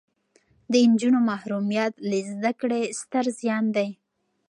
د نجونو محرومیت له زده کړې ستر زیان دی.